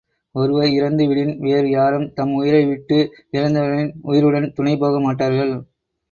ஒருவர் இறந்து விடின், வேறு யாரும் தம் உயிரை விட்டு, இறந்தவரின் உயிருடன் துணை போக மாட்டார்கள்.